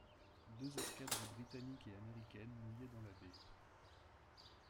Deux escadres britannique et américaine mouillaient dans la baie.